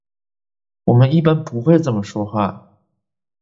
我们一般不会这么说话。